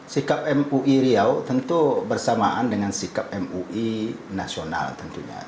sikap mui riau tentu bersamaan dengan sikap mui nasional tentunya